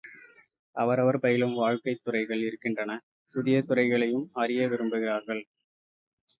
அவரவர் பயிலும் வாழ்க்கைத் துறைகள் இருக்கின்றன புதிய துறைகளையும் அறிய விரும்புகிறார்கள்.